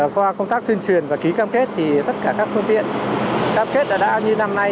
qua công tác tuyên truyền và ký cam kết thì tất cả các phương tiện cam kết đã như năm nay